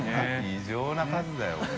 異常な数だよこれ。